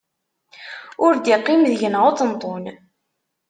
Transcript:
Ur d-iqqim deg-neɣ uṭenṭun.